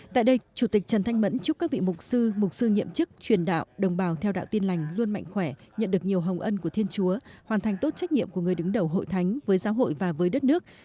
tại đây chủ tịch trần thanh mẫn chúc các vị mục sư mục sư nhiệm chức truyền đạo đồng bào theo đạo tin lành luôn mạnh khỏe nhận được nhiều hồng ân của thiên chúa hoàn thành tốt trách nhiệm của người đứng đầu hội thánh với giáo hội và với đất nước